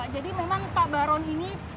jadi memang pak baron ini